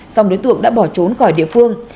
song đối tượng đã bỏ trốn khỏi địa phương